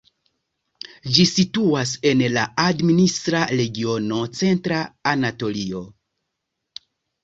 Ĝi situas en la administra regiono Centra Anatolio.